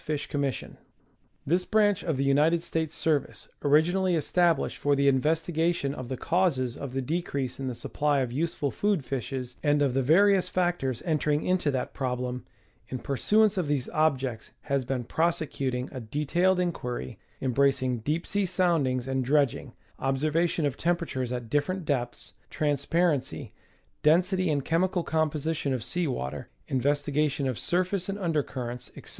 Fish Commission. This branch of the United States service, originally established for the investigation of the causes of the decrease in the supply of useful food fishes and of the various factors enter ing into that problem, in pursuance of these objects has been prose cuting a detailed inqixiry, embracing deep sea soundings and dredging, observation of temperatures at different depths, trans parency, density and chemical composition of sea water, investi gation of surface and under currents, etc.